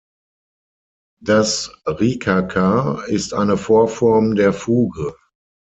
Das Ricercar ist eine Vorform der Fuge.